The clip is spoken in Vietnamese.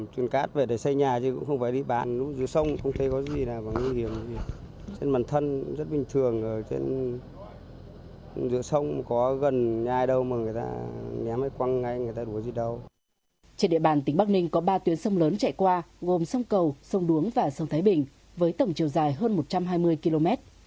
trên địa bàn tỉnh bắc ninh có ba tuyến sông lớn chạy qua gồm sông cầu sông đuống và sông thái bình với tổng chiều dài hơn một trăm hai mươi km